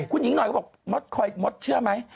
คุณหญิงหน่อยก็บอกมดคอยมดเชื่อไหม